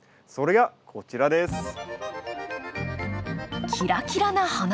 それがこちらです。